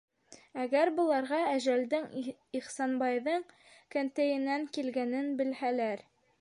Әгәр быларға әжәлдең Ихсанбайҙың кәнтәйенән килгәнен белһәләр...